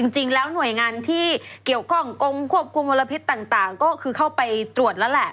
จริงแล้วหน่วยงานที่เกี่ยวก็ควบคุมมลพิษต่างคือเข้าไปตรวจแล้วแหละ